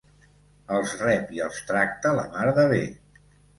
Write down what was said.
Els rep i els tracta la mar de bé.